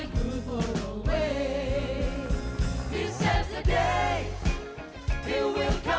carata carata selama berbanyak banyak harapan dan di lensawhen amir dit jurassic park